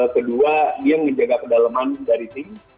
kedua dia menjaga kedalaman dari tim